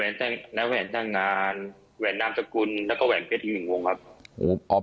แนวแหวนช่างงานแหวนน้ำสกุลแล้วก็แหวนเกลียดที่๑องค์ครับ